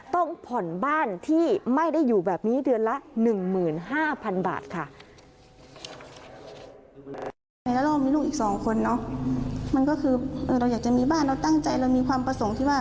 ต้องผ่อนบ้านที่ไม่ได้อยู่แบบนี้เดือนละ๑๕๐๐๐บาทค่ะ